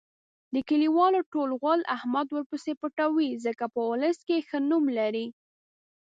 د کلیوالو ټول غول احمد ورپسې پټوي. ځکه په اولس کې ښه نوم لري.